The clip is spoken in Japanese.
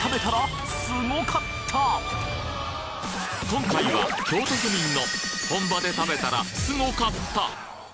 今回は京都府民の本場で食べたらスゴかった！